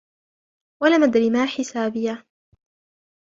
ولم أدر ما حسابيه